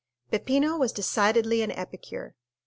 Peppino was decidedly an epicure.